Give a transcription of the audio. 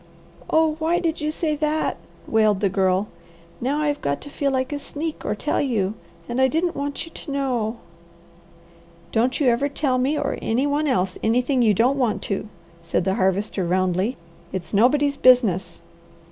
"Oh why did you say that?" wailed the Girl. "Now I've got to feel like a sneak or tell you and I didn't want you to know." "Don't you ever tell me or any one else anything you don't want to," said the Harvester roundly. "It's nobody's business!"